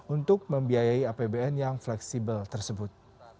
untuk membiayai apbn yang fleksibel tersebut